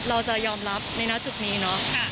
เราจะยอมรับในหน้าจุดนี้เนอะ